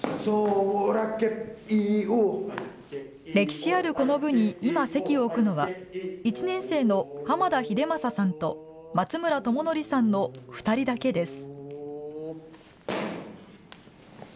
歴史あるこの部に、今、籍を置くのは、１年生の濱田英聖さんと、松村朝矩さんの２人だけです。